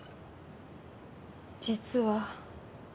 実は。